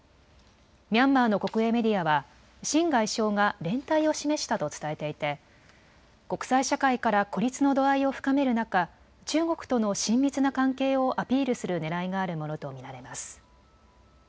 ミャンマーの国営メディアは秦外相が連帯を示したと伝えていて国際社会から孤立の度合いを深める中、中国との親密な関係をアピールするねらいがあるものと見られます。